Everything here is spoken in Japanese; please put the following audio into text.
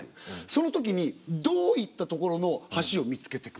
そのときにどういったところの橋を見つけてく？